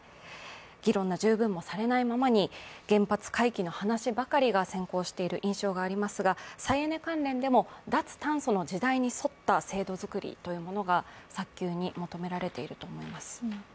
議論が十分にされないままに原発回帰の話ばかりが先行している印象がありますが再エネ関連でも脱炭素時代の制度作りというものが早急に求められていると思います。